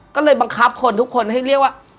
ก็เลยบังคับคนทุกคนให้เรียกว่า